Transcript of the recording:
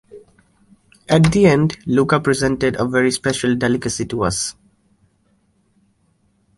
At the end Luca presented a very special delicacy to us.